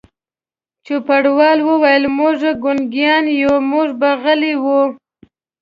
چوپړوال وویل: موږ ګونګیان یو، موږ به غلي وو.